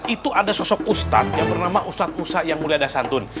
itu ada sosok ustadz yang bernama ustadz ustadz yang mulia dasantun